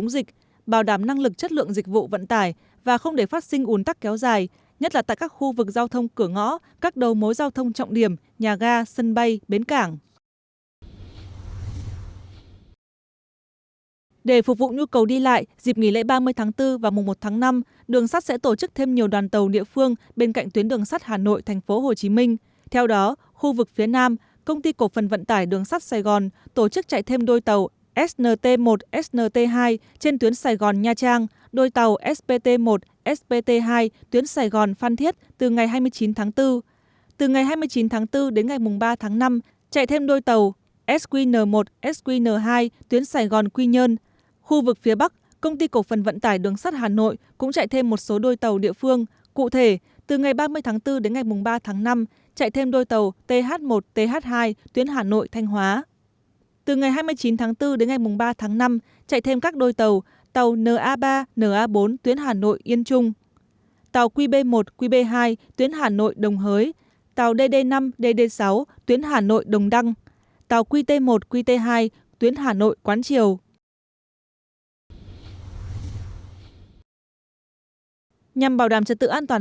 năm bảo đảm trật tự an toàn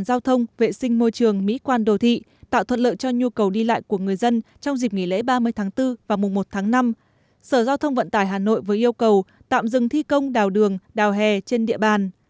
giao thông vệ sinh môi trường mỹ quan đồ thị tạo thuật lợi cho nhu cầu đi lại của người dân trong dịp nghỉ lễ ba mươi tháng bốn và mùa một tháng năm sở giao thông vận tải hà nội với yêu cầu tạm dừng thi công đào đường đào hè trên địa bàn